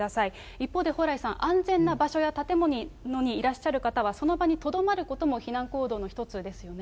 一方で蓬莱さん、安全な場所や建物にいらっしゃる方は、その場にとどまることも避難行動の一つですよね。